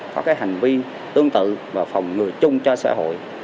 có cái hành vi tương tự và phòng ngừa chung cho xã hội